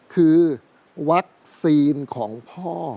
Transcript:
คือวัคซีนของพ่อ